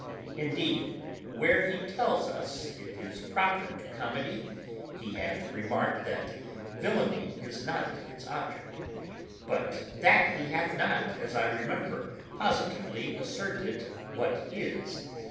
Indeed, where he tells us it is proper to comedy, he hath remarked that villainy is not its object: but that he hath not, as I remember, positively asserted what is.